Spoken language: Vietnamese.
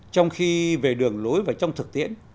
trong khi về đường lối và trong thực tiễn